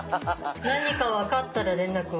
何か分かったら連絡を。